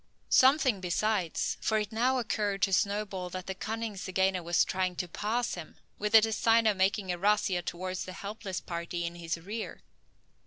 Something besides: for it now occurred to Snowball that the cunning zygaena was trying to pass him, with the design of making a razzia towards the helpless party in his rear.